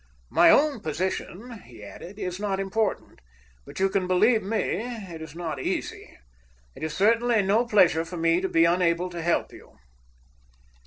My own position," he added, "is not important, but you can believe me, it is not easy. It is certainly no pleasure for me to be unable to help you."